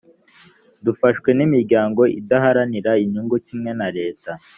dufashwa n’imiryango idaharanira inyungu kimwe na leta